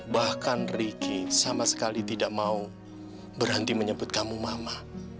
bahkan ricky sama sekali tidak mau berhenti menyebut kamu mama